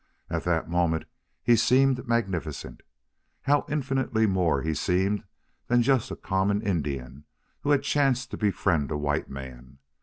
At that moment he seemed magnificent. How infinitely more he seemed than just a common Indian who had chanced to befriend a white man!